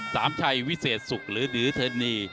สามชัยวิเศษสุขหรือดื้อเทินี